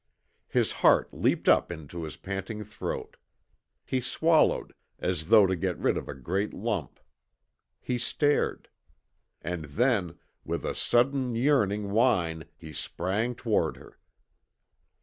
His heart leapt up into his panting throat. He swallowed, as though to get rid of a great lump; he stared. And then, with a sudden, yearning whine, he sprang toward her.